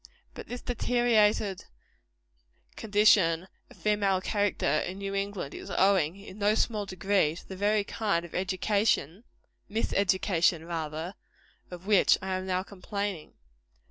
But this deteriorated condition of female character in New England, is owing, in no small degree, to the very kind of education miseducation, rather of which I am now complaining.